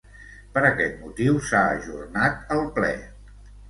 Per aquest motiu s’ha ajornat el ple.